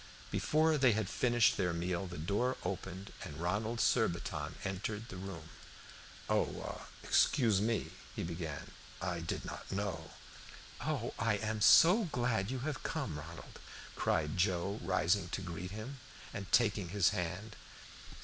Before they had finished their meal the door opened, and Ronald Surbiton entered the room. "Oh excuse me," he began, "I did not know" "Oh, I am so glad you have come, Ronald," cried Joe, rising to greet him, and taking his hand.